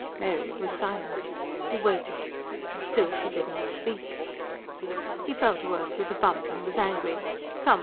Mary was silent. He waited. Still she did not speak. He fell to earth with a bump, and was angry. "Come ...